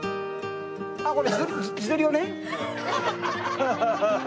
あっこれ自撮り用ね？